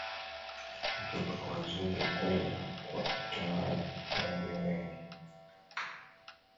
Kutoka kwa wazungu kwenda kwa utawala wa walio wengi